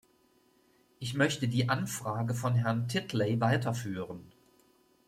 Ich möchte die Anfrage von Herrn Titley weiterführen.